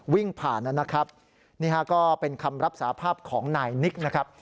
วิ่งผ่านนะครับนี่ฮะก็เป็นคำรับสาภาพของนายนิกนะครับ